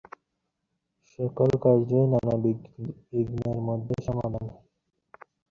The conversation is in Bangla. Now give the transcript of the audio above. কুমুদ ফেরা পর্যন্ত মতি চুপ করিয়া ঘরে বসিয়া রহিল।